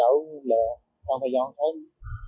thay đổi là không phải do thông